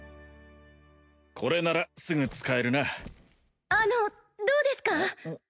これならすぐ使えるなあのどうですか？